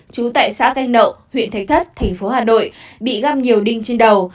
trú tại xã canh nậu huyện thánh thất tp hà nội bị găm nhiều đinh trên đầu